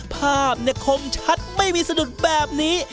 ภาพเนี่ยคมชัดไม่มีสะดุดแบบนี้